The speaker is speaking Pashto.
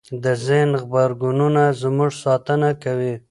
د ذهن غبرګونونه زموږ ساتنه کوي.